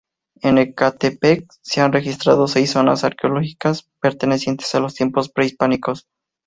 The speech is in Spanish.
En Ecatepec se han registrado seis zonas arqueológicas pertenecientes a los tiempos prehispánicos.